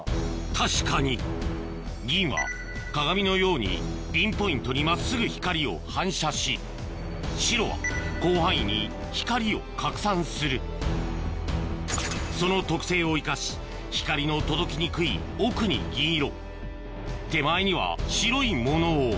確かに銀は鏡のようにピンポイントに真っすぐ光を反射し白は広範囲に光を拡散するその特性を生かし光の届きにくいねっやっぱり。